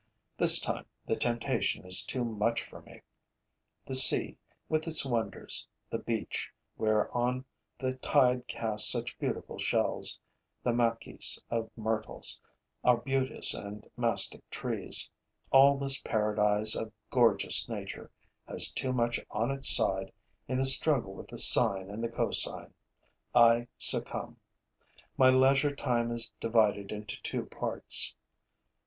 This time, the temptation is too much for me. The sea, with its wonders, the beach, whereon the tide casts such beautiful shells, the maquis of myrtles, arbutus and mastic trees: all this paradise of gorgeous nature has too much on its side in the struggle with the sine and the cosine. I succumb. My leisure time is divided into two parts.